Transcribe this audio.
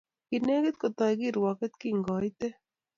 Kinegit kotoi kirwoket kingoitei